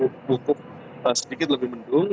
hukum sedikit lebih mendung